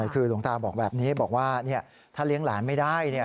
คือหลวงตาบอกแบบนี้บอกว่าถ้าเลี้ยงหลานไม่ได้